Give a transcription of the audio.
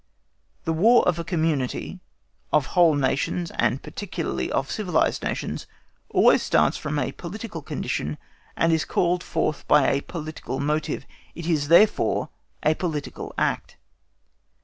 The War of a community—of whole Nations, and particularly of civilised Nations—always starts from a political condition, and is called forth by a political motive. It is, therefore, a political act.